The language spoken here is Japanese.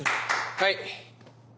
はい。